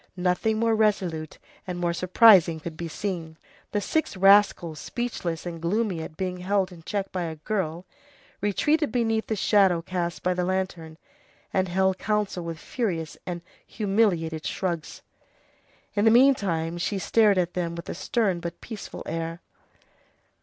Nothing more resolute and more surprising could be seen. The six rascals, speechless and gloomy at being held in check by a girl, retreated beneath the shadow cast by the lantern, and held counsel with furious and humiliated shrugs. In the meantime she stared at them with a stern but peaceful air.